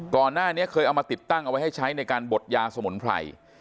ก่อนหน้านี้เคยเอามาติดตั้งเอาไว้ให้ใช้ในการบดยาสมุนไพร